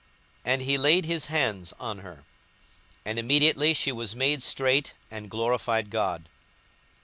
42:013:013 And he laid his hands on her: and immediately she was made straight, and glorified God.